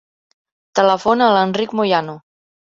Telefona a l'Enric Moyano.